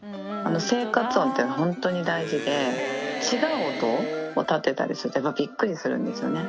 生活音って本当に大事で、違う音を立てたりすると、やっぱりびっくりするんですよね。